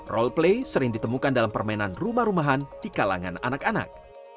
roll play sering ditemukan dalam permainan rumah rumahan di kalangan anak anak